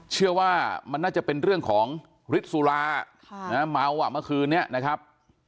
เชื่อว่ามันน่าจะเป็นเรื่องของฤทธิ์สุราเมาอ่ะเมื่อคืนนี้นะครับ